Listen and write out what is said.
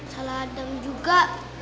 salah adam juga